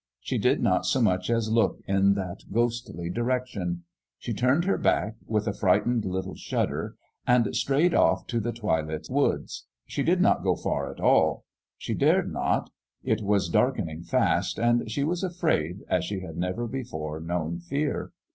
She did not so much as look in that ghostly direction ; she turned her back, with a frightened little shudder, and strayed off to the twilit woods. She did not go far, at all : she dared not ; it was darkening fast, and she was afraid as she had never before known fear.